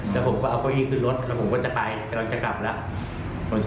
แล้วผมก็เอาเก้าอี้ขึ้นรถแล้วผมก็จะไปกำลังจะกลับแล้ว